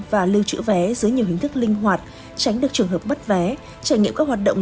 và lưu trữ vé dưới nhiều hình thức linh hoạt tránh được trường hợp bắt vé trải nghiệm các hoạt động